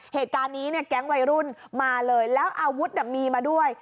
เหตุการณ์นี้เนี่ยแก๊งวัยรุ่นมาเลยแล้วอาวุธมีมาด้วย